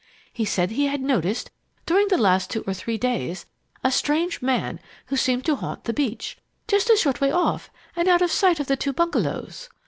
He said he had noticed, during the last two or three days, a strange man who seemed to haunt the beach, just a short way off and out of sight of the two bungalows.